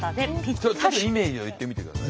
ちょっとイメージを言ってみてください。